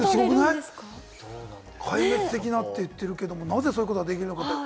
投手では壊滅的だって言ってるけれども、なぜそういうことができるのか。